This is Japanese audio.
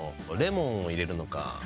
レモンを入れるのか？